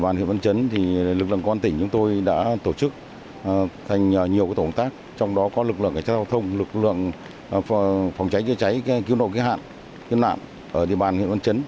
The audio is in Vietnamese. nhiều tổng tác trong đó có lực lượng giao thông lực lượng phòng cháy chế cháy cứu nạn ở địa bàn huyện văn chấn